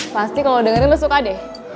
pasti kalau dengerin lu suka deh